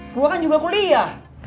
gua kan juga kuliah